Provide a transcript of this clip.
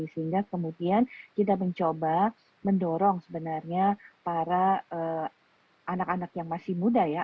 sehingga kemudian kita mencoba mendorong sebenarnya para anak anak yang masih muda ya